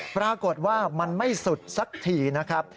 ปรากฏว่ามันไม่สุดสักทีนะครับ